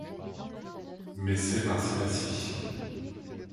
Mais c'est Marcilhacy.